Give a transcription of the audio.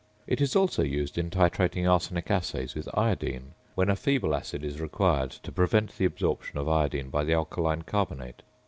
It is also used in titrating arsenic assays with "iodine" when a feeble acid is required to prevent the absorption of iodine by the alkaline carbonate.